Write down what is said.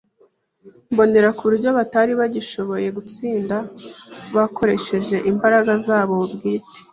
mbonera ku buryo batari bagishoboye gutsinda bakoresheje imbaraga zabo bwite.